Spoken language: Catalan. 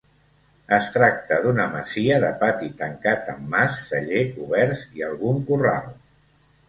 Es tracta d'una masia de pati tancat amb mas, celler, coberts i algun corral.